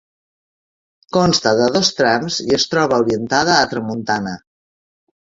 Consta de dos trams i es troba orientada a tramuntana.